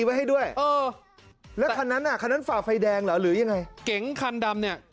จะเลี่ยวทางซ้ายของเค้านะ